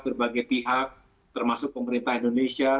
berbagai pihak termasuk pemerintah indonesia